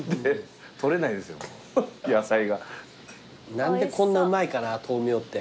何でこんなうまいかな豆苗って。